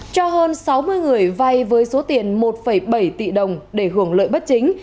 cho hơn sáu mươi người vay với số tiền một bảy tỷ đồng để hưởng lợi bất chính